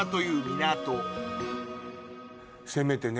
せめてね